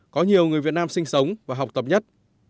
có nhiều người việt nam sinh sống và học tập nhất